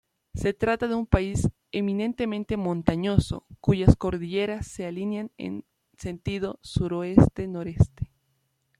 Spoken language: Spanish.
Se trata de un país eminentemente montañoso cuyas cordilleras se alinean en sentido suroeste-noreste.